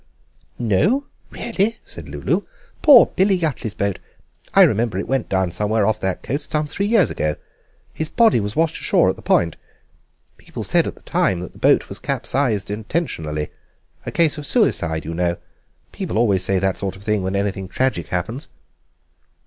"No! really?" said Lulu; "poor Billy Yuttley's boat. I remember it went down somewhere off that coast some three years ago. His body was washed ashore at the Point. People said at the time that the boat was capsized intentionally—a case of suicide, you know. People always say that sort of thing when anything tragic happens."